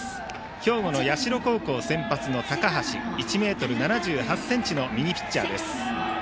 兵庫の社高校、先発の高橋は１ｍ７８ｃｍの右ピッチャーです。